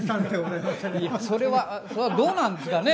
いやそれはどうなんですかね？